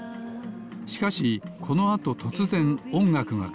しかしこのあととつぜんおんがくがかわります。